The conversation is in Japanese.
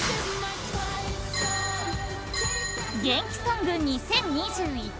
元気ソング２０２１。